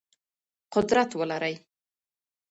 قدرت ولرئ.